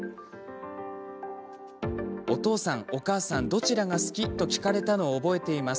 お父さん、お母さんどちらが好き？と聞かれたのを覚えています。